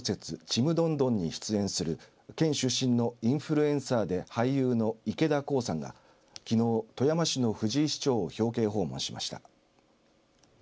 ちむどんどんに出演する県出身のインフルエンサーで俳優の池田航さんがきのう富山市の藤井市長を表敬訪問しました。